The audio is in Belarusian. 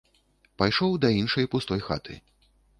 Пайшоў да іншай пустой хаты.